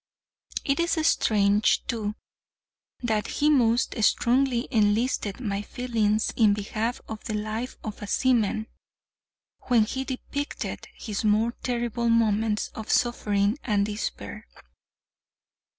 It is strange, too, that he most strongly enlisted my feelings in behalf of the life of a seaman, when he depicted his more terrible moments of suffering and despair.